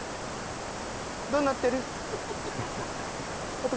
どうなってる？